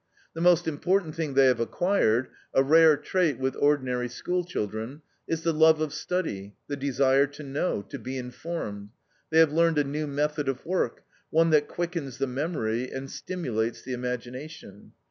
The most important thing they have acquired a rare trait with ordinary school children is the love of study, the desire to know, to be informed. They have learned a new method of work, one that quickens the memory and stimulates the imagination.